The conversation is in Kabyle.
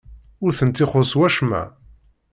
Ur tent-ixuṣṣ wacemma?